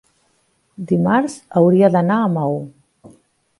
Dimarts hauria d'anar a Maó.